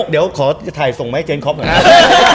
เดี๋ยวขอถ่ายส่งไหมให้เจนคอปหน่อย